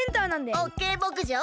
オッケーぼくじょう！